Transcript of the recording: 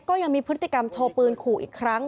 ก็ยังมีพฤติกรรมโชว์ปืนขู่อีกครั้ง